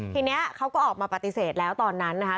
ทีนี้เขาก็ออกมาปฏิเสธแล้วตอนนั้นนะคะ